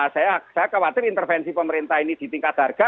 saya khawatir intervensi pemerintah ini di tingkat harga